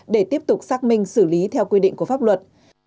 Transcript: để tiếp tục xác minh xử lý theo quy định của pháp luật